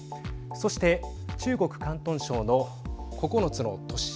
そして中国、広東省の９つの都市